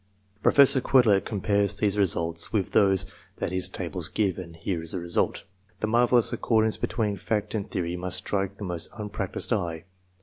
Professor Quetelet compares these results with those that his tables give, and here is the result. The marvellous accordance between fact and theory must strike the most unpractised eye.